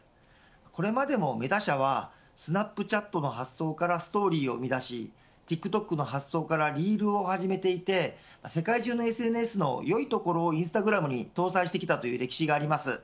これまでも、メタ社はスナップチャットの発想からストーリーを生み出しＴｉｋＴｏｋの発想からリールを始めていて世界中のＳＮＳの良いところをインスタグラムに搭載してきたという歴史があります。